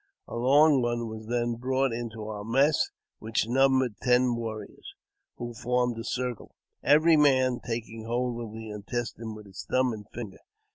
A long one was then brought into our mess, which numbered ten warriors, who formed a circle, every man taking hold of the intestine with his thumb and finger.